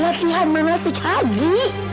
latihan menasik haji